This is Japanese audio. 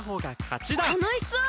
たのしそう！